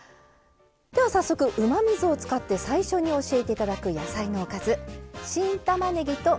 では早速うまみ酢を使って最初に教えて頂く野菜のおかずはい。